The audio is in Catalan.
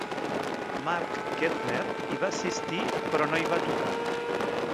Mark Keltner hi va assistir, però no hi va tocar.